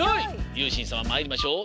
ゆうしんさままいりましょう。